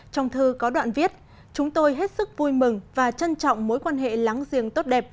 trong thư có đoạn viết chúng tôi hết sức vui mừng và trân trọng mối quan hệ láng giềng tốt đẹp